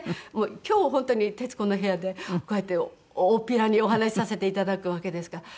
今日本当に『徹子の部屋』でこうやって大っぴらにお話しさせて頂くわけですから。